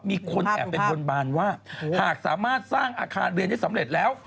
มีคนแอบไปบนบานว่าหากสามารถสร้างอาคารเรียนได้สำเร็จแล้ว